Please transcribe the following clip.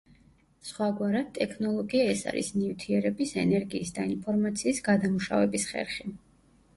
სხვაგვარად, ტექნოლოგია ეს არის ნივთიერების, ენერგიის და ინფორმაციის გადამუშავების ხერხი.